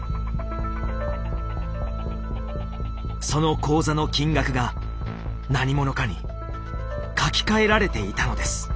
その口座の金額が何者かに書き換えられていたのです。